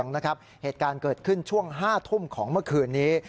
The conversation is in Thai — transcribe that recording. เหตุการณ์เกิดขึ้นช่วง๕ทุ่มของเมื่อคืนนี้